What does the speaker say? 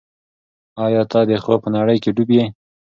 ایا ته د خوب په نړۍ کې ډوب یې؟